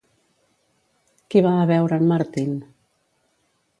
Qui va a veure en Martin?